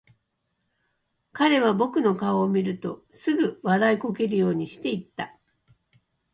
彼は僕の顔を見るとすぐ、笑いこけるようにして言った。